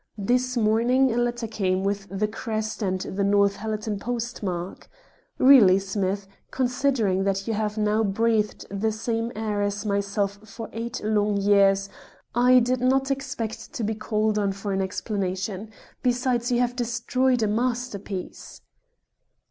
This morning a letter came with the crest and the Northallerton postmark. Really, Smith, considering that you have now breathed the same air as myself for eight long years, I did not expect to be called on for an explanation. Besides, you have destroyed a masterpiece."